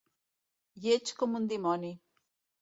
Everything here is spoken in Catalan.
Lleig com un dimoni.